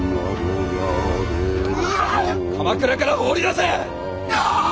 鎌倉から放り出せ！